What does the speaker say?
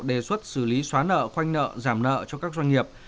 đề xuất xử lý xóa nợ khoanh nợ giảm nợ cho các doanh nghiệp